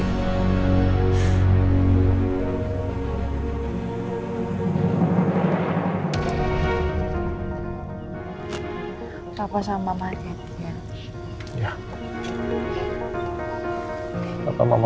sama gue selamat ya